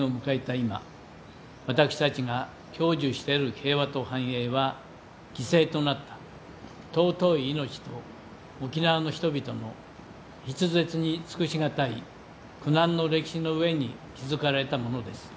今私たちが享受している平和と繁栄は犠牲となった尊い命と沖縄の人々の筆舌に尽くし難い苦難の歴史の上に築かれたものです。